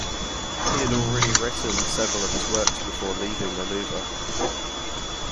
He had already written several of his works before leaving Aluva.